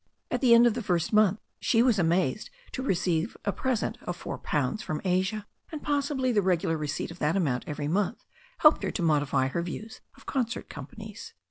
At the end of the first month she was amazed to receive a present of four pounds from Asia. And possibly the regular receipt of that amount every month helped her to modify her views of concert companies.